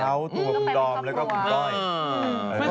เขาก็ไปลูกเขาตัวคุณดอมแล้วก็คุณก้อย